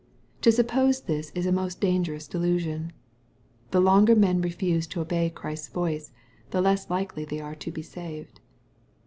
To suppose this is a most dangerous delusion. The longer men refuse to obey Christ's voice, the less likely they are to be saved.